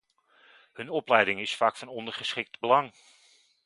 Hun opleiding is vaak van ondergeschikt belang.